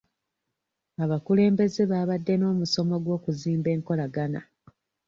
Abakulembeze baabadde n'omusomo gw'okuzimba enkolagana.